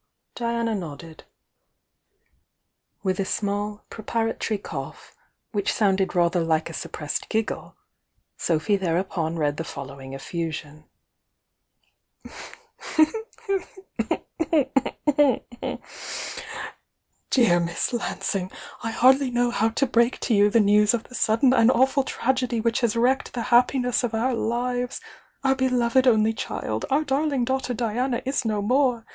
Diana nodded. With a small, preparatory cough. 90 THE YOUNG DIANA which sounded rather like a suppressed giggle, So phy thereupon read the following effusion: "Deab Miss Lansing, "I hardly know how to break to you the news of the sudden and awful tragedy which has wrecked the happiness of our lives! Our beloved only child our darhng daughter Diana is no more